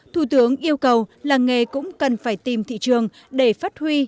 thủ tướng yêu cầu làng nghề cũng cần phải tìm thị trường để phát huy